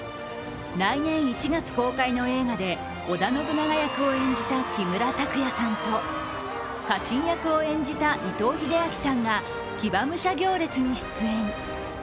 来年１月公開の映画で織田信長役を演じた木村拓哉さんと、家臣役を演じた伊藤英明さんが騎馬武者行列に出演。